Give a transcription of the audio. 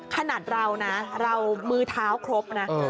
ขนาดเรามือเท้าครบนะ